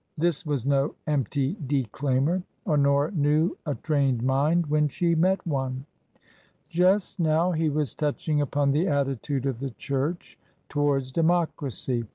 This was no empty declaimer. Honora knew a trained mind when she met one. Just now he was touching upon the attitude of the church towards democracy.